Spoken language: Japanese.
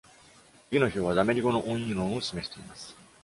次の表は、ダメリ語の音韻論を示しています。